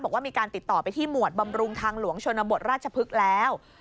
บอกว่ามีการติดต่อไปที่หมวดบำรุงทางหลวงชนบทราชพฤกษ์แล้ว